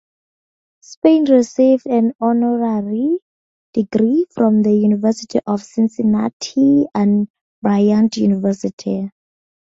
Spain received an honorary degree from the University of Cincinnati and Bryant University.